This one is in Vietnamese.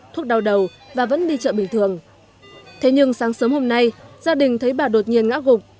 thuốc đau đầu và vẫn đi chợ bình thường thế nhưng sáng sớm hôm nay gia đình thấy bà đột nhiên ngã gục